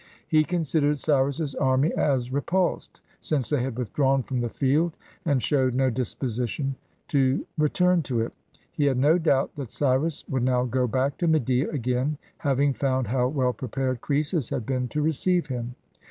He considered Cyrus's army as repulsed, since they had withdrawn from the field, and showed no disposition to return to it. He had no doubt that Cyrus would now go back to Media again, having found how well prepared Croesus had been to receive him.